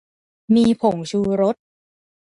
มีผงชูรส